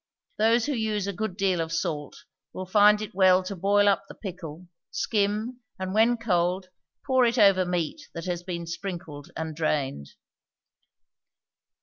Those who use a good deal of salt will find it well to boil up the pickle, skim, and when cold pour it over meat that has been sprinkled and drained.